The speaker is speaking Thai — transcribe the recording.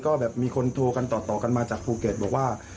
ก็แบบมีคนโทรกันต่อกันมาจากภูเก็ตบอกว่า